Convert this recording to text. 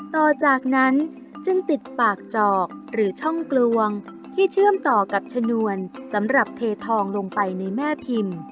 ต่อจากนั้นจึงติดปากจอกหรือช่องกลวงที่เชื่อมต่อกับชนวนสำหรับเททองลงไปในแม่พิมพ์